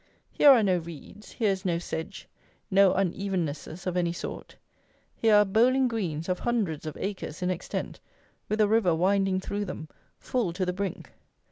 Here are no reeds, here is no sedge, no unevennesses of any sort. Here are bowling greens of hundreds of acres in extent, with a river winding through them, full to the brink.